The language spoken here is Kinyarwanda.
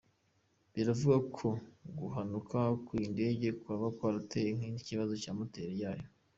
Biravugwa ko guhanuka kw’iyi ndege kwaba kwatewe n’ikibazo cya moteri yayo.